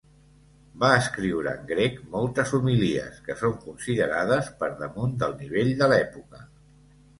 Va escriure en grec moltes homilies que són considerades per damunt del nivell de l'època.